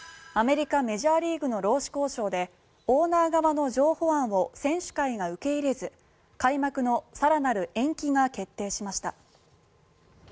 アメリカ・メジャーリーグの労使交渉でオーナー側の譲歩案を選手会が受け入れず開幕の更なる延期が決定しました。